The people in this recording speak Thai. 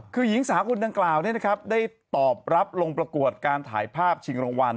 คือหญิงสาวคนดังกล่าวได้ตอบรับลงประกวดการถ่ายภาพชิงรางวัล